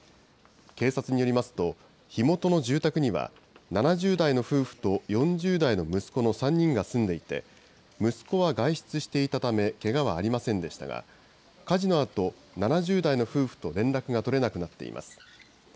警察によりますと、火元の住宅には、７０代の夫婦と４０代の息子の３人が住んでいて、息子は外出していたため、けがはありませんでしたが、火事のあと、７０代の夫婦と連絡が取れなくなっています。